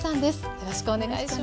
よろしくお願いします。